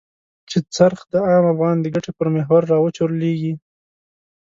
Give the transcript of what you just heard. چې څرخ د عام افغان د ګټې پر محور را وچورليږي.